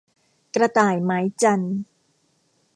กระต่ายหมายจันทร์